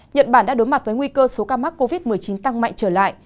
nhật bản đã đối mặt với nguy cơ số ca mắc covid một mươi chín tăng mạnh trở lại